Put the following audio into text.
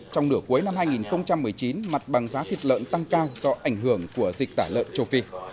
trong nửa cuối năm hai nghìn một mươi chín mặt bằng giá thịt lợn tăng cao do ảnh hưởng của dịch tả lợn châu phi